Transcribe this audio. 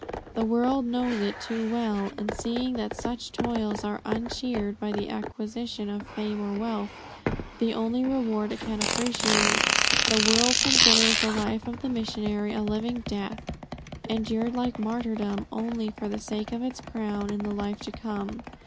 The world knows it too well; and seeing that such toils are uncheered by the acquisition of fame or wealth the only reward it can appreciate the world considers the life of the missionary a living death, endured like martyrdom, only for the sake of its crown in the life to come.